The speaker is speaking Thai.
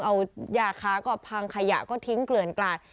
เอายาค้าก็พังขยะก็ทิ้งเกลื่อนกลาด